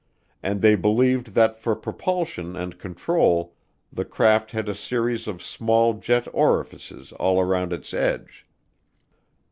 And they believed that for propulsion and control the craft had a series of small jet orifices all around its edge.